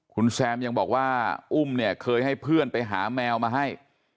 คุณแซมยังบอกว่าอุ้มเนี่ยเคยให้เพื่อนไปหาแมวมาให้